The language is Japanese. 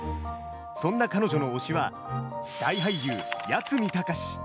そんな彼女の推しは大俳優、八海崇。